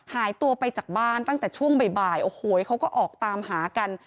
หายตัวไปจากบ้านตั้งแต่ช่วงบ่ายโอ้โหเขาก็ออกตามหากัน